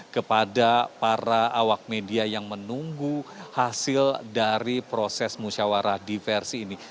kepada para awak media yang menunggu hasil dari proses musyawarah diversi ini